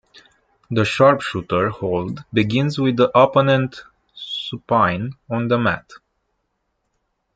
The Sharpshooter hold begins with the opponent supine on the mat.